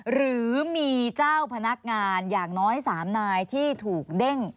หรือมีเจ้าพนักงานอย่างน้อย๓นายที่ถูกเด้ง